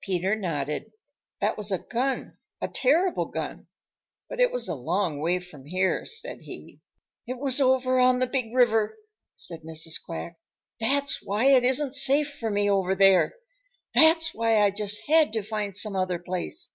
Peter nodded. "That was a gun, a terrible gun, but it was a long way from here," said he. "It was over on the Big River," said Mrs. Quack. "That's why it isn't safe for me over there. That's why I just had to find some other place.